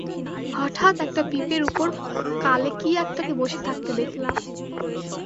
হঠাৎ একটা পিপের উপর কালে কী একটাকে বসে থাকতে দেখলাম।